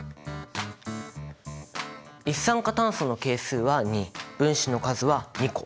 一酸化炭素の係数は２分子の数は２個。